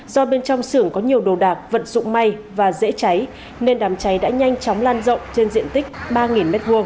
không may và dễ cháy nên đám cháy đã nhanh chóng lan rộng trên diện tích ba m hai